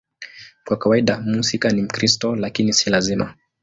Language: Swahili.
Kwa kawaida mhusika ni Mkristo, lakini si lazima.